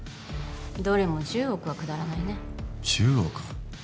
どれも１０億はくだらないね１０億？